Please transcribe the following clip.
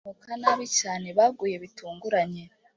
abazamuka nabi cyane baguye bitunguranye